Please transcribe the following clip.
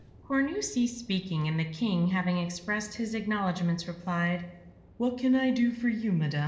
Cornue ceased speaking, and the King, having expressed his acknowledgments, replied, "What can I do for you, Madam?